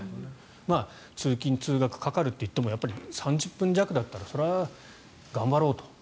通勤・通学、かかるといっても３０分弱だったらそれは頑張ろうと。